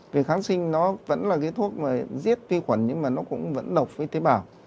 vì kháng sinh nó vẫn là thuốc giết vi khuẩn nhưng nó cũng vẫn độc với tế bào